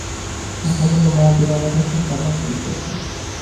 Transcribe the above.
আজ সকালে মা জোড়াঘাটায় তাঁর জামাইয়ের বাড়ি গিয়াছেন।